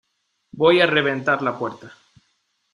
voy a reventar la puerta.